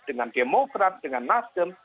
dengan demokrat dengan nasdem